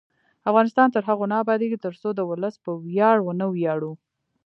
افغانستان تر هغو نه ابادیږي، ترڅو د ولس په ویاړ ونه ویاړو.